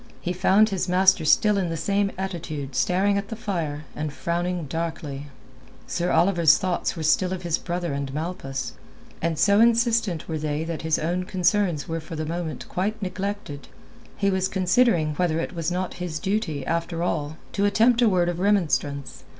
He found his master still in the same attitude, staring at the fire, and frowning darkly. Sir Oliver's thoughts were still of his brother and Malpas, and so insistent were they that his own concerns were for the moment quite neglected; he was considering whether it was not his duty, after all, to attempt a word of remonstrance.